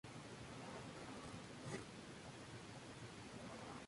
Antes de la composición de "Zeit" Tangerine Dream experimentó un nuevo cambio de integrantes.